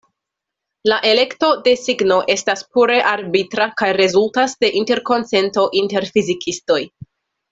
La elekto de signo estas pure arbitra kaj rezultas de interkonsento inter fizikistoj.